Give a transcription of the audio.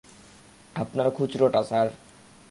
আপনার খুচরোটা, স্যার।